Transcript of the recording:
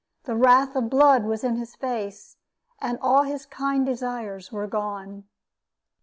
The wrath of blood was in his face, and all his kind desires were gone.